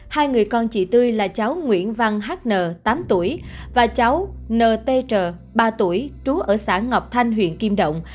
hai người con chị tươi là cháu nguyễn văn h n tám tuổi và cháu n t tr ba tuổi trú ở xã ngọc thanh huyện kim động